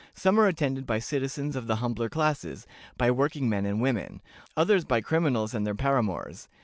Some are attended by citizens of the humbler classes, by working men and women; others by criminals and their paramours.